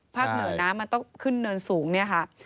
เหนือน้ำมันต้องขึ้นเนินสูงเนี่ยค่ะ